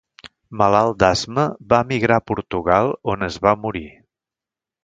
Malalt d'asma, va emigrar a Portugal, on es va morir.